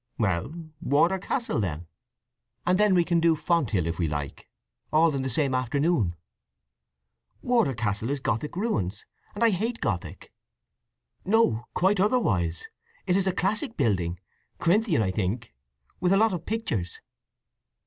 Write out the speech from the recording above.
"Well—Wardour Castle. And then we can do Fonthill if we like—all in the same afternoon." "Wardour is Gothic ruins—and I hate Gothic!" "No. Quite otherwise. It is a classic building—Corinthian, I think; with a lot of pictures."